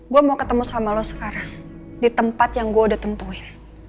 gue mau ketemu sama lo sekarang di tempat yang gue udah tempuhin